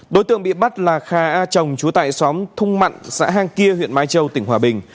đối tượng bị bắt là khà a trồng trú tại xóm thung mặn xã hang kia huyện mai châu tỉnh hòa bình